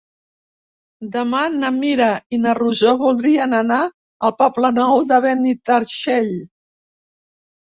Demà na Mira i na Rosó voldrien anar al Poble Nou de Benitatxell.